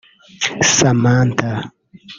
Samantha